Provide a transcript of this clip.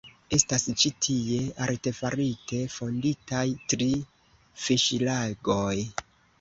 Estas ĉi tie artefarite fonditaj tri fiŝlagoj.